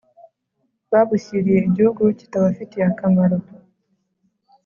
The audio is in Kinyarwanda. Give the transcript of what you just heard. babushyiriye igihugu kitabafitiye akamaro.